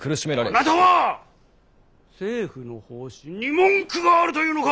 あなたは政府の方針に文句があると言うのか！